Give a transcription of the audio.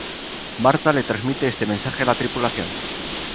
Martha le transmite este mensaje a la tripulación.